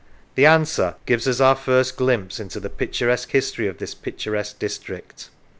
The answer gives us our first glimpse into the picturesque history of this picturesque district.